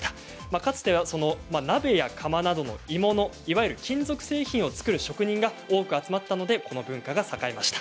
かつては鍋や釜を作る鋳物金属製品を作る職人が多く集まったのでこの文化が栄えました。